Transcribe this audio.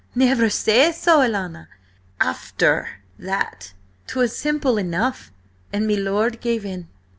"Never say so, alanna. After that 'twas simple enough, and me lord gave in.